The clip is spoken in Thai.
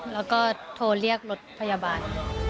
แล้วก็โทรเรียกรถพยาบาล